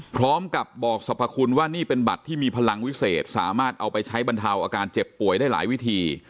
พร้อมกับบอกสรรพคุณว่านี่เป็นบัตรที่มีพลังวิเศษสามารถเอาไปใช้บรรเทาอาการเจ็บป่วยได้หลายวิธี